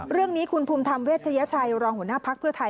เรื่องนี้คุณภูมิธรรมเวชยชัยรองหัวหน้าภักดิ์เพื่อไทย